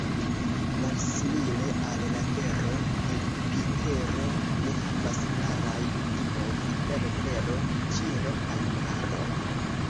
Malsimile al la Tero, Jupitero ne havas klarajn limojn inter tero, ĉielo kaj maro.